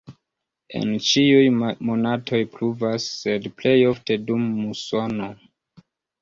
En ĉiuj monatoj pluvas, sed plej ofte dum musono.